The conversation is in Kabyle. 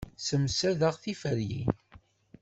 Ssemsadeɣ tiferyin.